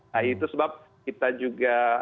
nah itu sebab kita juga